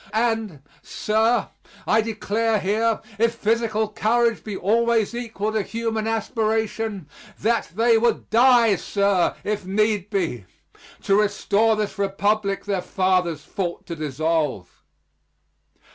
And, sir, I declare here, if physical courage be always equal to human aspiration, that they would die, sir, if need be, to restore this Republic their fathers fought to dissolve.